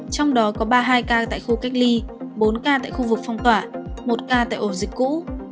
trong đó có ba mươi hai ca tại khu cách ly bốn ca tại khu vực phong tỏa một ca tại ổ dịch cũ